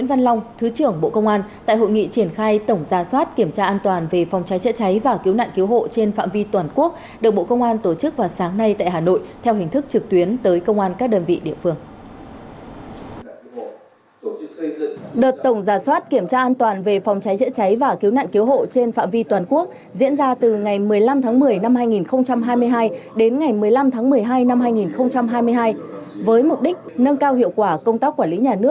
đợt tổng gia soát kiểm tra an toàn về phòng cháy chữa cháy và cứu nạn cứu hộ trên phạm vi toàn quốc diễn ra từ ngày một mươi năm tháng một mươi năm hai nghìn hai mươi hai đến ngày một mươi năm tháng một mươi hai năm hai nghìn hai mươi hai